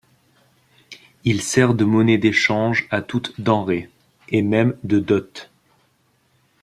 Il sert de monnaie d'échange à toute denrée, et même de dot.